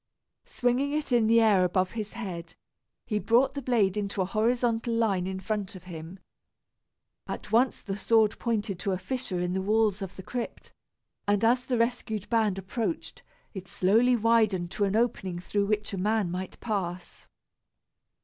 Swinging it in the air above his head, he brought the blade into a horizontal line in front of him. At once the sword pointed to a fissure in the walls of the crypt, and as the rescued band approached, it slowly widened to an opening through which a man might pass.